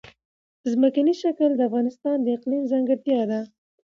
ځمکنی شکل د افغانستان د اقلیم ځانګړتیا ده.